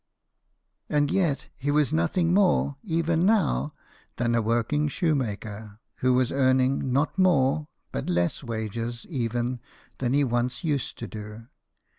And yet he was nothing more even now than a THOMAS EDWARD, SHOEMAKER. 189 working shoemaker, who was earning not more but less wages even than he once used to do.